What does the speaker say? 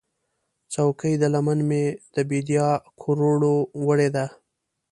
څوکې د لمن مې، د بیدیا کروړو ، وړې دي